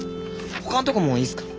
ほかんとこもいいすか？